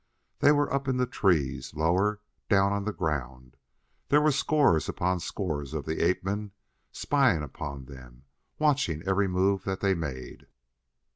They were up in the trees lower down on the ground. There were scores upon scores of the ape men spying upon them, watching every move that they made.